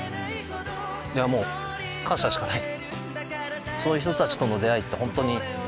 いやもう感謝しかない。